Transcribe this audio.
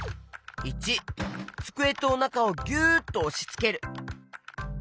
①つくえとおなかをぎゅっとおしつける。